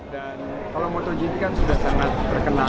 dan kalau motogp kan sudah sangat terkenal